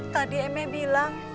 tadi eme bilang